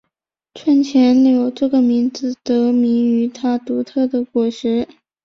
串钱柳这名字得名于它独特的果实。